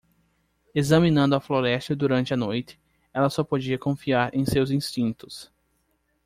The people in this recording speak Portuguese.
Examinando a floresta durante a noite, ela só podia confiar em seus instintos.